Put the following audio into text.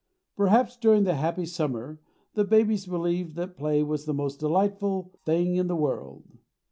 Perhaps during the happy summer the babies believed that play was the most delightful thing in the world.